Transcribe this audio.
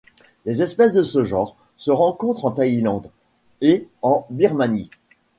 Les espèces de ce genre se rencontrent en Thaïlande et en Birmanie.